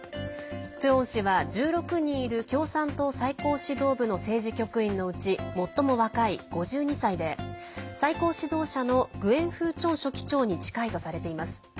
トゥオン氏は、１６人いる共産党最高指導部の政治局員のうち最も若い５２歳で最高指導者のグエン・フー・チョン書記長に近いとされています。